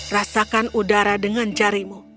rasakan udara dengan jarimu